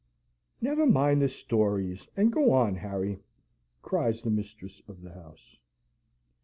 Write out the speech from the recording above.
"Never mind the stories; and go on, Harry," cries the mistress of the house.